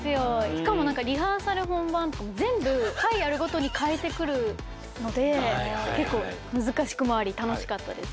しかも何かリハーサル本番とか全部回やるごとに変えてくるので結構難しくもあり楽しかったですね。